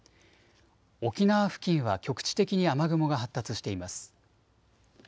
沖縄付近は局地的に雨雲が発達しています。